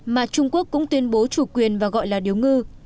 mà trung quốc cũng tuyên bố chủ quyền và gọi là điếu ngư